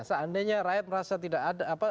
seandainya rakyat merasa tidak ada apa